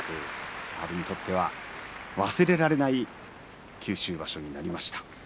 阿炎にとっては忘れられない九州場所になりました。